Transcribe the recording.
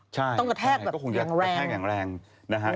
ต้องกระแทกแบบแหงแรงนะฮะใช่ก็คงจะกระแทกแหงแรง